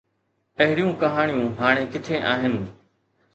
اهڙيون ڪهاڻيون هاڻي ڪٿي آهن؟